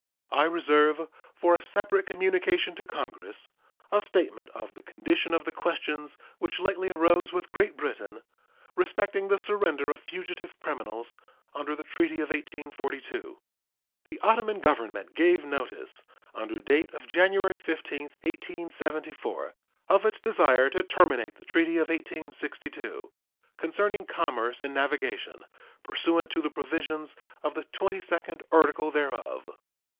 I reserve for a separate communication to Congress a statement of the condition of the questions which lately arose with Great Britain respecting the surrender of fugitive criminals under the treaty of 1842. The Ottoman Government gave notice, under date of January 15, 1874, of its desire to terminate the treaty of 1862, concerning commerce and navigation, pursuant to the provisions of the twenty second article thereof.